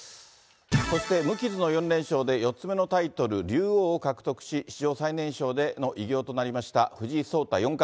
そして無傷の４連勝で４つ目のタイトル、竜王を獲得し、史上最年少での偉業となりました藤井聡太四冠。